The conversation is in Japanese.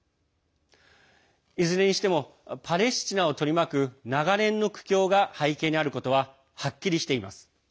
いずれにしてもパレスチナを取り巻く長年の苦境が背景にあることははっきりしています。